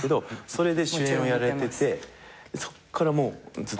それで主演をやられててそっからもうずっと大ファンで。